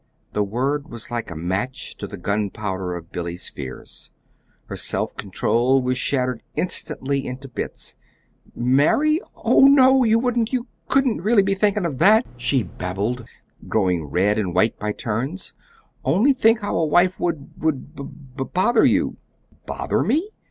The word was like a match to the gunpowder of Billy's fears. Her self control was shattered instantly into bits. "Marry? No, no, you wouldn't you couldn't really be thinking of that," she babbled, growing red and white by turns. "Only think how a wife would would b bother you!" "Bother me?